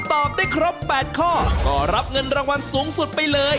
ตอบได้ครบ๘ข้อก็รับเงินรางวัลสูงสุดไปเลย